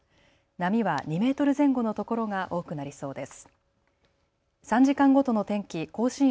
波は２メートル前後のところが多くなりそうです。